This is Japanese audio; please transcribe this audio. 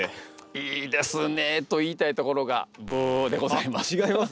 いいですね！と言いたいところがブーでございます。